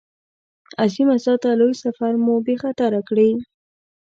عظیمه ذاته لوی سفر مو بې خطره کړې.